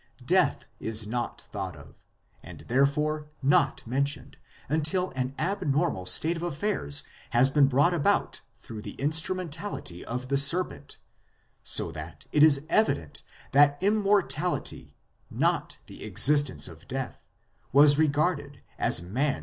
Death is not thought of, and therefore not mentioned, until an abnormal state of affairs has been brought about through the instrumentality of the serpent ; so that it is evident that Immortality, not the existence of Death, was regarded as man s normal state.